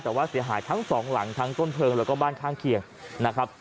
แต่ว่าเสียหายทั้งสองหลังทั้งต้นเพลิงแล้วก็บ้านข้างเคียงนะครับ